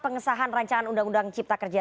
pengesahan rancangan undang undang cipta kerja